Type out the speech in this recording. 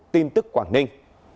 tin tức quảng ninh